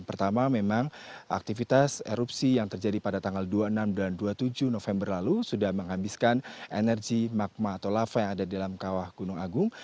pertama memang aktivitas erupsi yang terjadi pada tanggal dua puluh enam dan dua puluh tujuh november lalu sudah menghabiskan energi magma atau lava yang ada di dalam kawah gunung agung